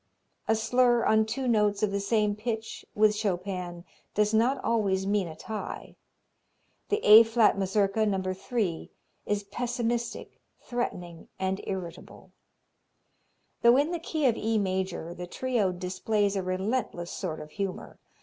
A slur on two notes of the same pitch with Chopin does not always mean a tie. The A flat Mazurka, No. 3, is pessimistic, threatening and irritable. Though in the key of E major the trio displays a relentless sort of humor.